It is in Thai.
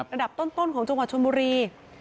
ระดับต้นของจังหวัดชนบุรี